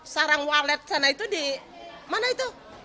sarang walet sana itu di mana itu